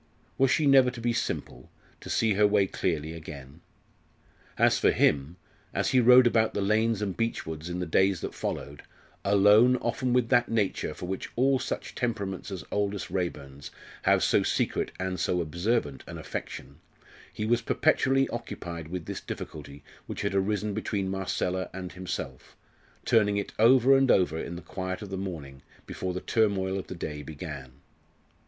Was she never to be simple, to see her way clearly again? As for him, as he rode about the lanes and beechwoods in the days that followed, alone often with that nature for which all such temperaments as Aldous Raeburn's have so secret and so observant an affection, he was perpetually occupied with this difficulty which had arisen between Marcella and himself, turning it over and over in the quiet of the morning, before the turmoil of the day began.